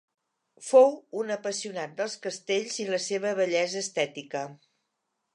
Fou un apassionat dels castells i la seva bellesa estètica.